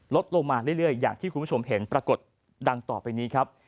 ลดลงมาเรื่อยอย่างที่คุณผู้ชมเห็นปรากฏดังต่อไปนี้ครับ